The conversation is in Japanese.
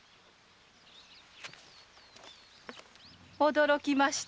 驚きました。